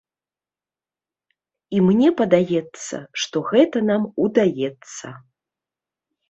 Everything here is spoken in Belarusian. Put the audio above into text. І мне падаецца, што гэта нам удаецца.